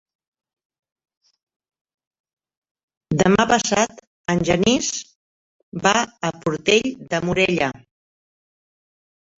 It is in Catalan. Demà passat en Genís va a Portell de Morella.